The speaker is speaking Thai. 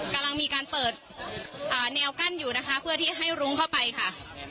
กำลังมีการเปิดแนวกั้นอยู่นะคะเพื่อที่ให้รุ้งเข้าไปค่ะ